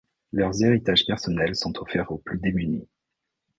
Leurs héritages personnels sont offerts aux plus démunis.